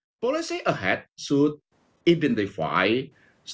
kedua memastikan ekonomi berkembang dengan inklusif